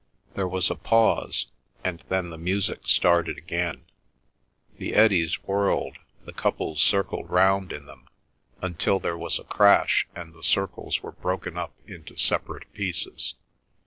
There was a pause, and then the music started again, the eddies whirled, the couples circled round in them, until there was a crash, and the circles were broken up into separate pieces.